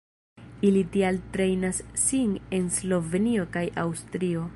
Ili tial trejnas sin en Slovenio kaj Aŭstrio.